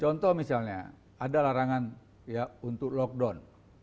contoh misalnya ada larangan untuk lockdown